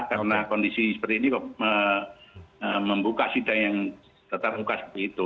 karena kondisi seperti ini membuka sidang yang tetap buka seperti itu